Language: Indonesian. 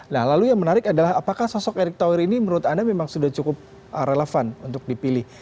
nah lalu yang menarik adalah apakah sosok erick thohir ini menurut anda memang sudah cukup relevan untuk dipilih